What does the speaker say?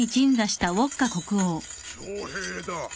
徴兵だ。